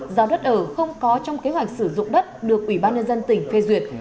giao đất ở không có trong kế hoạch sử dụng đất được ủy ban nhân dân tỉnh phê duyệt